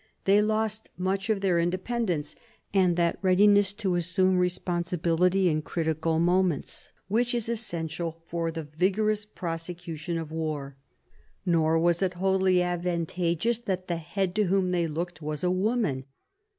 They lost much of their independence, and that readiness to assume responsibility in critical moments which is essential for the vigorous prosecution of war. Nor was it wholly advantageous that the head to whom they looked was a woman.